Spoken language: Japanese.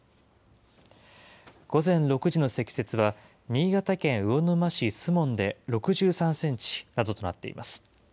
午前６時の積雪は、新潟県魚沼市守門で６３センチなどとなっています。